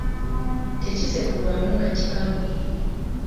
Tekisekulwamu nga kikalu.